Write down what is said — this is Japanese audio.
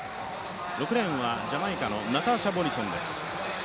６レーンはジャマイカのナターシャ・モリソンです。